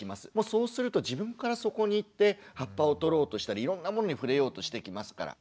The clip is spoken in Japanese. そうすると自分からそこに行って葉っぱを取ろうとしたりいろんなものに触れようとしてきますから。